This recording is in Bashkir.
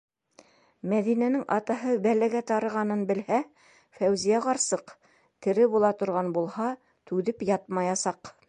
Мәҙинәнең атаһы бәләгә тарығанын белһә, Фәүзиә ҡарсыҡ, тере була торған булһа, түҙеп ятмаясаҡ.